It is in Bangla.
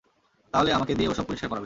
তাহলে আমাকে দিয়েই ওসব পরিষ্কার করাবে।